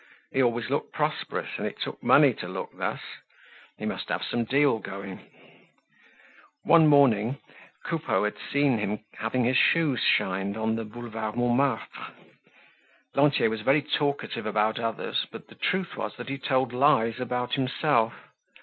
He always looked prosperous and it took money to look thus. He must have some deal going. One morning Coupeau had seen him having his shoes shined on the Boulevard Montmartre. Lantier was very talkative about others, but the truth was that he told lies about himself.